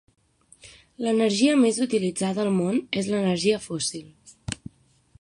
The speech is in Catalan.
L'energia més utilitzada al món és l'energia fòssil.